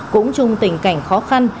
cũng trùng tình cảnh khó khăn